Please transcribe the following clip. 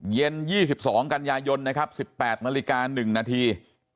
เย็น๒๒กันยายนนะครับ๑๘นาฬิกา๑นาที